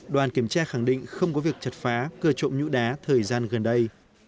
đoàn kiểm tra khẳng định không có việc chặt phá cửa trộm nhũ đá thời gian gần đây